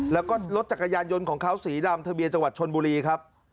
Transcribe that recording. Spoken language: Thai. แล้วก็รถจักรยานยนต์ของเขาสีดำทะเบียนจังหวัดชนบุรีครับ